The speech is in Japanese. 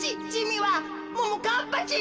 はももかっぱちん？